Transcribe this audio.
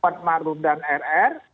pak marum dan rr